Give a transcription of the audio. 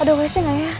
ada wc nggak ya